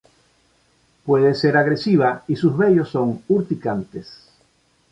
Puede ser agresiva y sus bellos son urticantes.